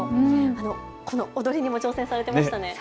この踊りにも挑戦されてましたね。